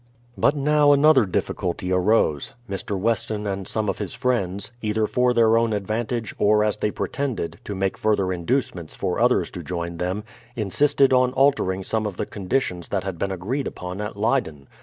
But now another difficulty arose. Mr. Weston and some of his friends (either for their own advantage, or, as they pretended, to make further inducements for others to join them) insisted on altering some of the conditions that had been agreed upon at Leyden.